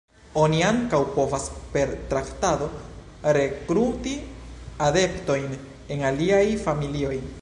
Oni ankaŭ povas per traktado rekruti adeptojn en aliaj familioj.